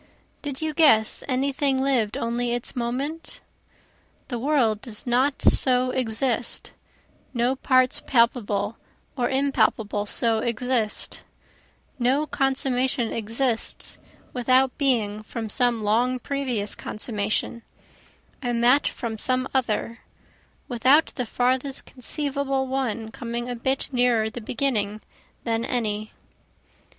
Did you guess any thing lived only its moment? The world does not so exist, no parts palpable or impalpable so exist, No consummation exists without being from some long previous consummation, and that from some other, Without the farthest conceivable one coming a bit nearer the beginning than any.